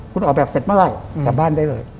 คุณออกแบบเสร็จเมื่อไหร่กลับบ้านได้เลย